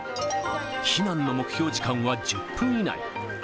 避難の目標時間は１０分以内。